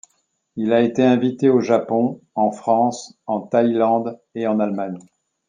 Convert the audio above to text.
Il a été invité au Japon, en France, en Thaïlande et en Allemagne.